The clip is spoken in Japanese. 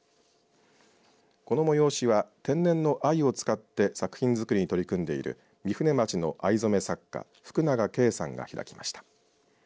この催しは、天然の藍を使って作品づくりに取り組んでいる御船町の藍染作家福永啓さんが開きました。